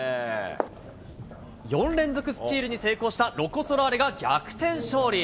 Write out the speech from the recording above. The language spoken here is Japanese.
４連続スチールに成功したロコ・ソラーレが逆転勝利。